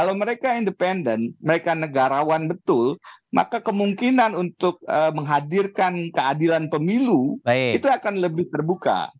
kalau mereka independen mereka negarawan betul maka kemungkinan untuk menghadirkan keadilan pemilu itu akan lebih terbuka